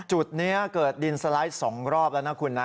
จุดนี้เกิดดินสไลด์๒รอบแล้วนะคุณนะ